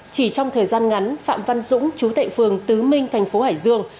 chỉ trong thời gian ngắn phạm văn dũng chú tệ phường tứ minh thành phố hải dương